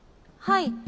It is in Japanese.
はい。